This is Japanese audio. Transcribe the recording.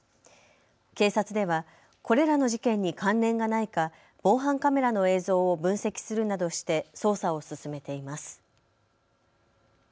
警察ではこれらの事件に関連がないか防犯カメラの映像を分析するなどして捜査を進めています。